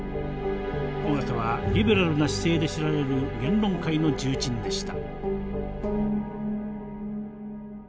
緒方はリベラルな姿勢で知られる言論界の重鎮でした。